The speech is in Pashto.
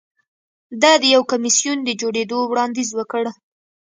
ده د یو کمېسیون د جوړېدو وړاندیز وکړ